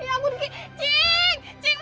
cik maaf mu tolong cik